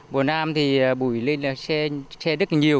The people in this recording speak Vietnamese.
mùa nam thì bụi lên là xe đất nhỏ